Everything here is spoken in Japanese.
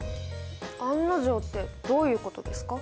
案の定ってどういうことですか？